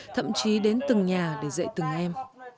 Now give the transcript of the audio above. thậm chí đến từng nhà để dạy từng em